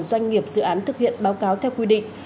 doanh nghiệp dự án thực hiện báo cáo theo quy định